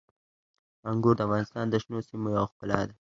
انګور د افغانستان د شنو سیمو یوه ښکلا ده.